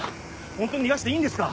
ホントに逃がしていいんですか？